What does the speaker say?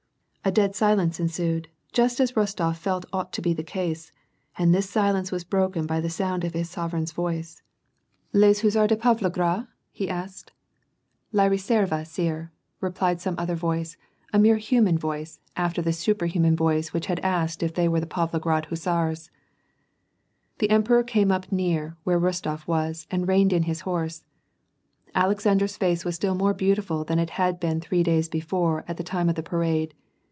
A dead silence ensued, just as Rostof felt ought to be the case, and this silence was broken by the sound of his sovereign's voice, — WAR AND PEACE, 309 "Les huzards de Pavloffrad ?" he asked. " La reserve^ sire,'^ replied some other voice, a merely human voice, after the superhuman voice which had asked if they were the Pavlograd hussars. The emperor came up near where Kostof was and reined in Jiis horse. Alexander's face was still more beautiful than it had been three days before at the time of the parade.